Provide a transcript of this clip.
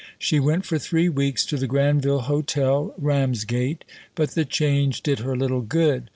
She went for three weeks to the Granville Hotel, Ramsgate, but the change did her little good.